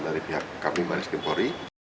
dari pihak kami maris gimpori